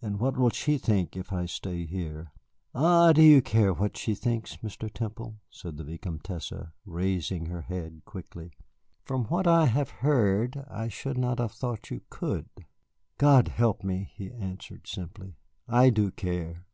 "And what will she think if I stay here?" "Ah, do you care what she thinks, Mr. Temple?" said the Vicomtesse, raising her head quickly. "From what I have heard, I should not have thought you could." "God help me," he answered simply, "I do care."